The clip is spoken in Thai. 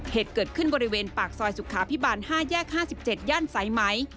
เหตุเกิดขึ้นบริเวณปากซอยสุขาพิบาล๕แยก๕๗ย่านสายไหม